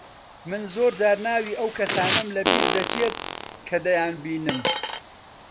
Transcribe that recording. من زۆر جار ناوی ئەو کەسانەم لەبیر دەچێت کە دەیانبینم.